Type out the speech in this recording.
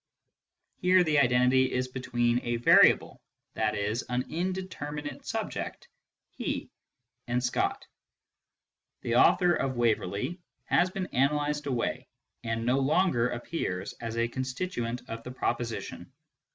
Here the identity is between a variable, i.e. an indeterminate subject (" he "), and Scott ;" the author of Waverley " has been analysed away, and no longer appears as a constituent of the proposition.